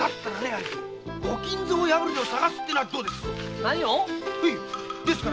兄貴お金蔵破りを捜すってのはどうです？